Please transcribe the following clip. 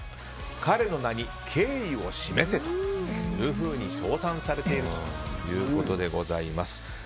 彼の名に敬意を示せというふうに称賛されているということでございます。